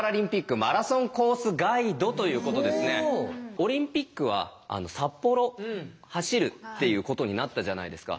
オリンピックは札幌走るっていうことになったじゃないですか。